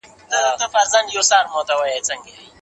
کینز د ټول اقتصاد د توازن تیوري وړاندي کړه.